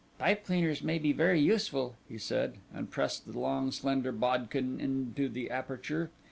"Pipe cleaners may be very useful," he said, and pressed the long slender bodkin into the aperture.